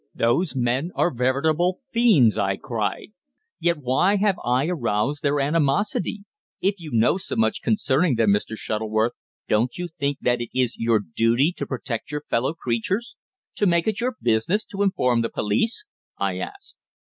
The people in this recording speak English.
"Those men are veritable fiends," I cried. "Yet why have I aroused their animosity? If you know so much concerning them, Mr. Shuttleworth, don't you think that it is your duty to protect your fellow creatures? to make it your business to inform the police?" I added.